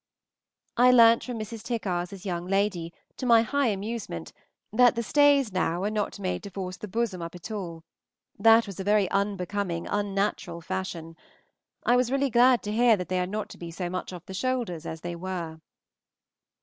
I learnt from Mrs. Tickars's young lady, to my high amusement, that the stays now are not made to force the bosom up at all; that was a very unbecoming, unnatural fashion. I was really glad to hear that they are not to be so much off the shoulders as they were.